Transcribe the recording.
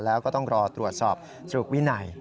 แล้วก็ต้องรอตรวจสอบสรุปวินัย